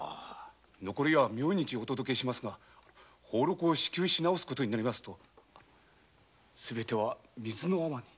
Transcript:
残りは明日お届けしますが俸祿を支給し直す事になりますとすべては水の泡に。